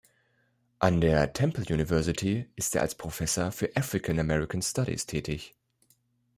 An der Temple University ist er als Professor für African American Studies tätig.